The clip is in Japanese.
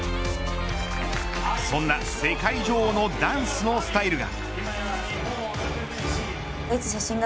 そんな世界女王のダンスのスタイルが。